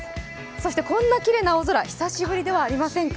そしてこんなきれいな青空、久しぶりではありませんか？